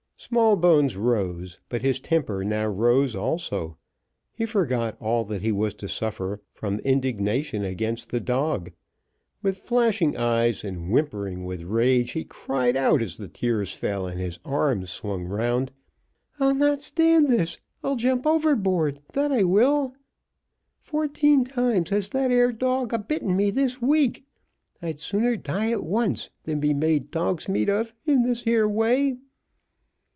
Smallbones rose, but his temper now rose also; he forgot all that he was to suffer, from indignation against the dog: with flashing eyes, and whimpering with rage, he cried out, as the tears fell, and his arms swung round, "I'll not stand this I'll jump overboard that I will: fourteen times has that ere dog a bitten me this week. I'd sooner die at once, than be made dog's meat of in this here way."